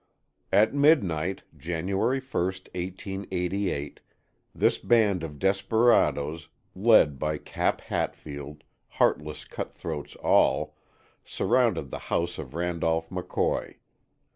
At midnight, January 1st, 1888, this band of desperadoes, led by Cap Hatfield, heartless cutthroats all, surrounded the house of Randolph McCoy.